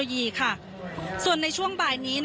ก็จะมีการพิพากษ์ก่อนก็มีเอ็กซ์สุข่อน